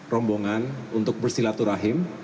rombongan untuk bersilaturahim